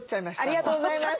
ありがとうございます。